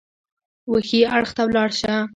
وښي اړخ ته ولاړ شه !